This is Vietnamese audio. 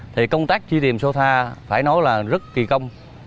thì công tác truy tìm sotha phải nói là rất kỳ công